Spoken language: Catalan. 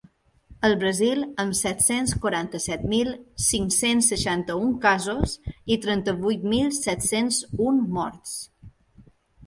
El Brasil, amb set-cents quaranta-set mil cinc-cents seixanta-un casos i trenta-vuit mil set-cents un morts.